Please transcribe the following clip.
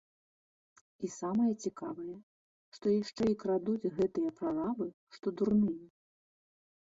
І самае цікавае, што яшчэ і крадуць гэтыя прарабы што дурныя.